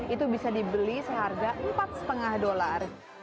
itu bisa dibeli seharga empat lima dolar